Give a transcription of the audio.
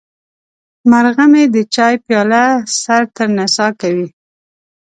مرغه مې د چای پیاله سر ته نڅا کوي.